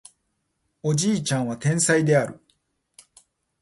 おじいちゃんは天才である